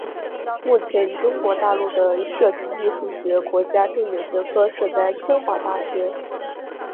目前中国大陆的设计艺术学国家重点学科设在清华大学。